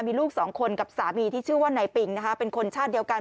มีลูกสองคนกับสามีที่ชื่อว่านายปิงนะคะเป็นคนชาติเดียวกัน